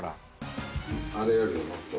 あれよりももっと。